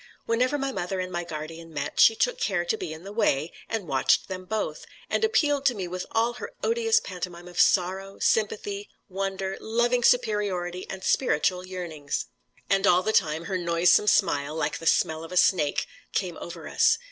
Whenever my mother and my guardian met, she took care to be in the way, and watched them both, and appealed to me with all her odious pantomime of sorrow, sympathy, wonder, loving superiority, and spiritual yearnings. And all the time her noisome smile, like the smell of a snake, came over us.